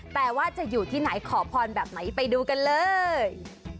แต่ว่าจะอยู่ที่ไหนขอพรแบบไหนไปดูกันเลย